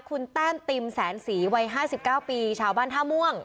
คุณแต้มติมแสนศรีวัย๕๙ปีชาวบ้านท่าม่วง